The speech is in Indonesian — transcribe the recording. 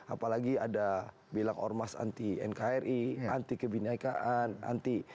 apalagi ada bilang ormas anti nkri anti kebinekaan anti